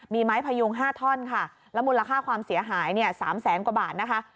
มีไม้พยุง๕ท่อนค่ะแล้วมูลค่าความเสียหายเนี่ย๓แสนกว่าบาทนะคะ